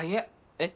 えっ？